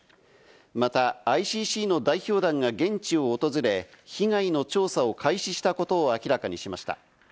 またＩＣＣの代表団が現地を訪れ、被害の調査を開始したことを明らかにしました。